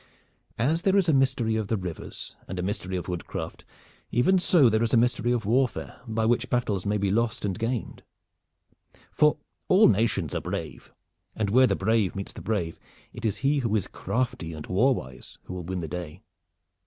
As there is a mystery of the rivers and a mystery of woodcraft, even so there is a mystery of warfare by which battles may be lost and gained; for all nations are brave, and where the brave meets the brave it is he who is crafty and war wise who will win the day.